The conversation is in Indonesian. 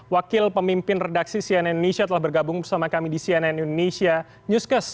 wakil pemimpin redaksi cnn indonesia telah bergabung bersama kami di cnn indonesia newscast